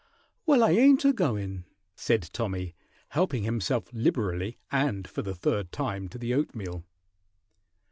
"Well, I ain't a goin'," said Tommy, helping himself liberally and for the third time to the oatmeal.